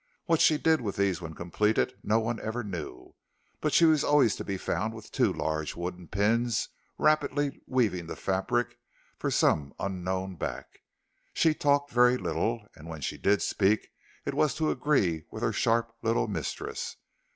What she did with these when completed no one ever knew: but she was always to be found with two large wooden pins rapidly weaving the fabric for some unknown back. She talked very little, and when she did speak, it was to agree with her sharp little mistress.